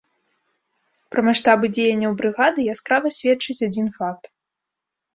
Пра маштабы дзеянняў брыгады яскрава сведчыць адзін факт.